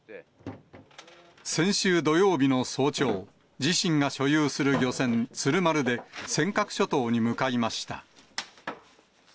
先週土曜日の早朝、自身が所有する漁船、鶴丸で、尖閣諸島に向かいました。